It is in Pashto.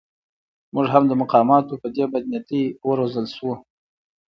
موږ هم د مقاماتو په دې بدنیتۍ و روزل شوو.